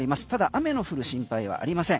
雨の降る心配はありません。